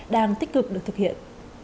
đang tích cực được thực hiện